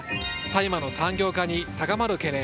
大麻の産業化に高まる懸念。